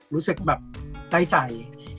รู้สึกได้ใจ